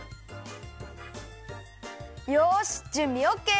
よしじゅんびオッケー！